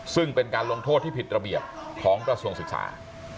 ซึ่งเป็นการลงโทษที่ผิดระเบียบของกระทรวงศึกษา